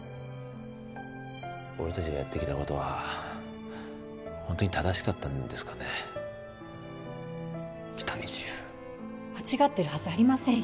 俺達がやってきたことはホントに正しかったんですかね喜多見チーフ間違ってるはずありませんよ